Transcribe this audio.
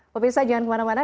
pemirsa jangan kemana mana